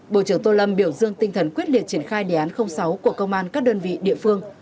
bộ trưởng tô lâm biểu dương tinh thần quyết liệt triển khai đề án sáu của công an các đơn vị địa phương